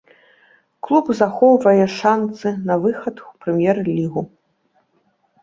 Клуб захоўвае шанцы на выхад у прэм'ер-лігу.